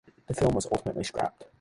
The film was ultimately scrapped.